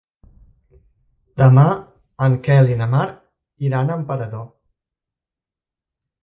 Demà en Quel i na Mar iran a Emperador.